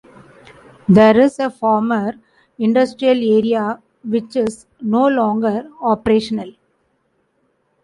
There is a former industrial area which is no longer operational.